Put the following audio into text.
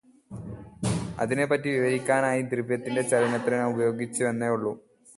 അതിനെപ്പറ്റി വിവരിക്കാനായി ദ്രവ്യത്തിന്റെ ചലനത്തെ നാം ഉപയോഗിച്ചുവെന്നേ ഉള്ളൂ.